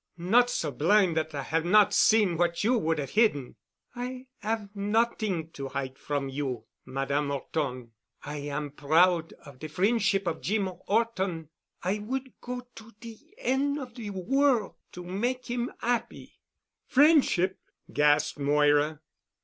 "Not so blind that I have not seen what you would have hidden." "I 'ave not'ing to hide from you, Madame 'Orton. I am proud of de frien'ship of Jeem 'Orton. I would go to de en' of de worl' to make 'im 'appy." "Friendship!" gasped Moira.